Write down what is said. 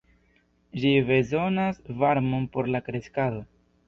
Ĝi bezonas varmon por la kreskado.